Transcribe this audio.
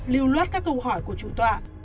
lưu loát các câu hỏi của chủ tòa